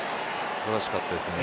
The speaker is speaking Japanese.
素晴らしかったですね。